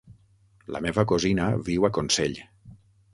La meva cosina viu a Consell.